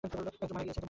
একজন মারা গেছে।